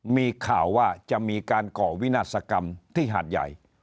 มีข่าวว่าจะมีการก่อวินาศกรรมที่หาดใหญ่